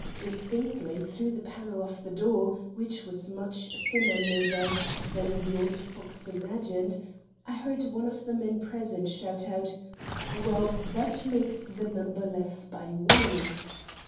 Distinctly through the panel of the door, which was much thinner, no doubt, than the old fox imagined, I heard one of the men present shout out: "Well, that makes the number less by one!"